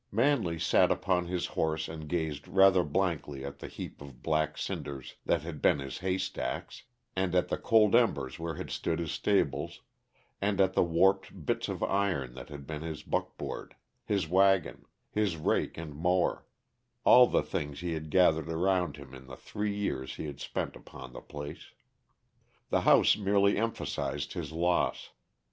Manley sat upon his horse and gazed rather blankly at the heap of black cinders that had been his haystacks, and at the cold embers where had stood his stables, and at the warped bits of iron that had been his buckboard, his wagon, his rake and mower all the things he had gathered around him in the three years he had spent upon the place. The house merely emphasized his loss.